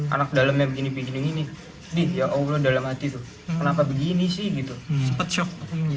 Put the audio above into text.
anak dalemnya begini begini nih di ya allah dalam hati itu kenapa begini sih gitu sepet shock